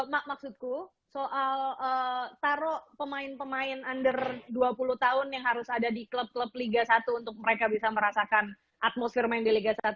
mak maksudku soal taruh pemain pemain under dua puluh tahun yang harus ada di klub klub liga satu untuk mereka bisa merasakan atmosfer main di liga satu